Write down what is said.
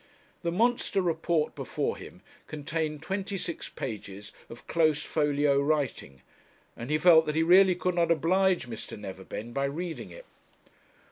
The monster report before him contained twenty six pages of close folio writing, and he felt that he really could not oblige Mr. Neverbend by reading it.